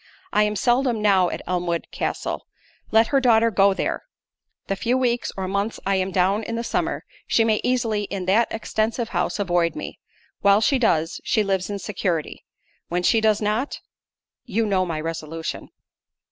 I am seldom now at Elmwood castle; let her daughter go there; the few weeks or months I am down in the summer, she may easily in that extensive house avoid me—while she does, she lives in security—when she does not—you know my resolution."